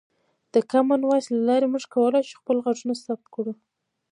د کامن وایس له لارې موږ کولی شو خپل غږونه ثبت کړو.